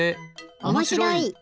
おもしろい！